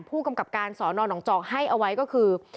ผู้กำกับการสอนอนหนองจอกให้เอาไว้ก็คือ